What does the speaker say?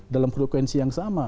dalam frekuensi yang sama